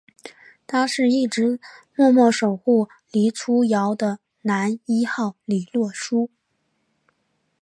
他是一直默默守护黎初遥的男一号李洛书！